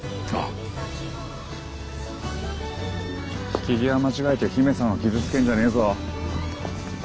引き際間違えて姫様傷つけんじゃねえぞ。